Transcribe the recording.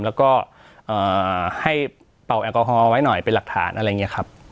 แล้วก็ให้เป่าแอลกอฮอลไว้หน่อยเป็นหลักฐานอะไรอย่างนี้ครับ